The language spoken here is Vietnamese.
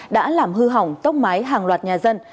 đã làm hư hỏng tốc mái hàng loạt nhà dân